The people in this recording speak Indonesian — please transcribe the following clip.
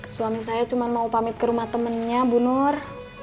suami saya cuma mau pamit ke rumah temennya bu nur